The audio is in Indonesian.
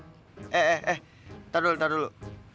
eh eh eh tunggu dulu tunggu dulu